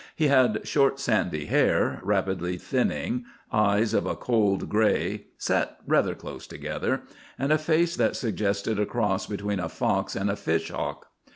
He had short sandy hair, rapidly thinning, eyes of a cold grey, set rather close together, and a face that suggested a cross between a fox and a fish hawk.